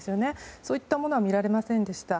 そういったものは見られませんでした。